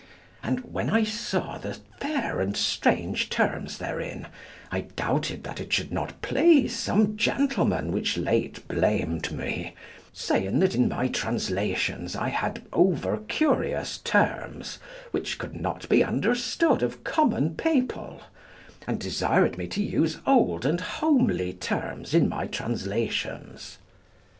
And when I saw the fair and strange terms therein, I doubted that it should not please some gentlemen which late blamed me, saying that in my translations I had over curious terms, which could not be understood of common people, and desired me to use old and homely terms in my translations.